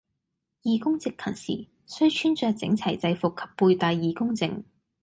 義工值勤時，須穿著整齊制服及佩戴義工證